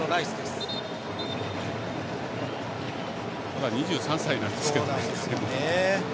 まだ２３歳なんですけどね。